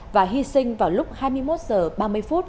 và hy sinh vào lúc hai mươi một h ba mươi phút